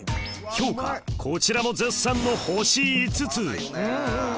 評価こちらも絶賛の星５つうんうん！